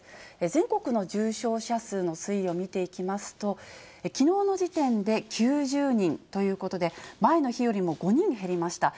全国の重症者数の推移を見ていきますと、きのうの時点で９０人ということで、前の日よりも５人減りました。